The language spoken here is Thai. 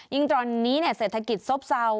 ยิ่งตอนนี้เนี่ยเศรษฐกิจโซ่บเซา